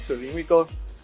xử lý nguy cơ